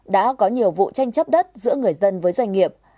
đã có nhiều vụ tranh chấp đất giữa người dân với doanh nghiệp